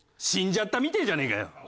死んじゃったみてえじゃねえかよ。